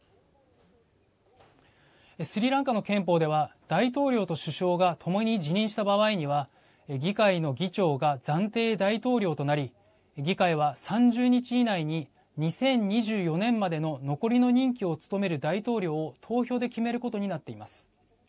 スリランカの憲法では大統領と首相がともに辞任した場合には議会の議長が暫定大統領となり議会は３０日以内に２０２４年までの残りの任期を務める大統領を投票で決めることになっています。